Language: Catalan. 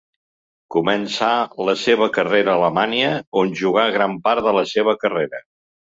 Començà la seva carrera a Alemanya, on jugà gran part de la seva carrera.